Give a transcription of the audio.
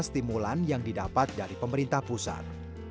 ini adalah simulan yang didapat dari pemerintah pusat